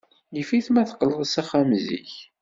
Yif-it ma teqqleḍ s axxam zik.